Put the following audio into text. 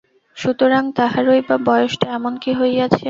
সুতরাং তাঁহারই বা বয়সটা এমন কি হইয়াছে?